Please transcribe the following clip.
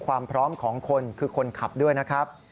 ความพร้อมของคนคือคนขับด้วยนะครับ